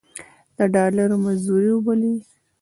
د ډالرو مزدورۍ وبللې.